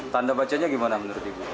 tanda bacanya gimana menurut ibu